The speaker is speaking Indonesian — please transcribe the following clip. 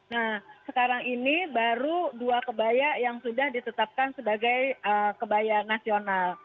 nah sekarang ini baru dua kebaya yang sudah ditetapkan sebagai kebaya nasional